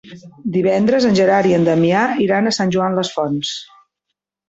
Divendres en Gerard i en Damià iran a Sant Joan les Fonts.